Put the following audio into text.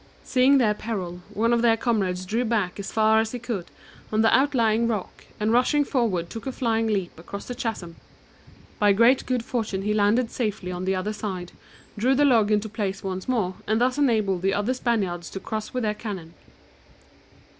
Seeing their peril, one of their comrades drew back as far as he could on the outlying rock, and rushing forward took a flying leap across the chasm! By great good fortune he landed safely on the other side, drew the log into place once more, and thus enabled the other Spaniards to cross with their cannon.